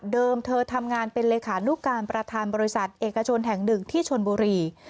เธอทำงานเป็นเลขานุการประธานบริษัทเอกชนแห่งหนึ่งที่ชนบุรี